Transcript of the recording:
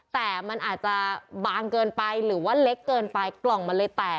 แต่มันอาจจะบางเกินไปหรือว่าเล็กเกินไปกล่องมันเลยแตก